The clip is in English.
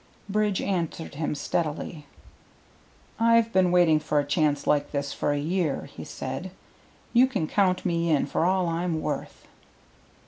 Bridge answered him steadily. "I've been waiting for a chance like this for a year," he said. "You can count me in for all I'm worth."